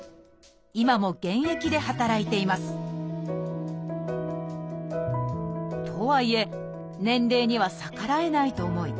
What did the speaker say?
今も現役で働いていますとはいえ年齢には逆らえないと思い